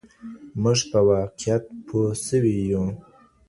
موږ په واقعيت پوه سوي يو.